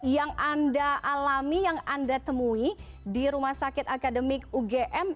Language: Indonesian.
yang anda alami yang anda temui di rumah sakit akademik ugm